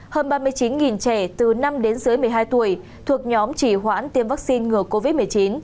hơn ba mươi chín trẻ từ năm đến dưới một mươi hai tuổi thuộc nhóm chỉ hoãn tiêm vaccine ngừa covid một mươi chín